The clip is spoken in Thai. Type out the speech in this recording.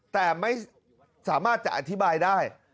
แต่ไม่สามารถจะอธิบายได้